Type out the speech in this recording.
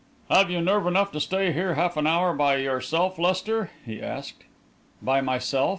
"Have you nerve enough to stay here half an hour by yourself, Lester?" he asked. "By myself?"